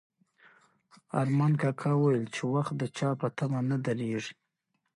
ارمان کاکا وویل چې وخت د چا په تمه نه درېږي.